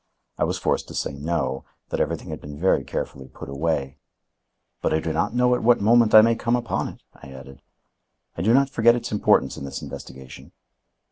I was forced to say no; that everything had been very carefully put away. "But I do not know what moment I may come upon it," I added. "I do not forget its importance in this investigation."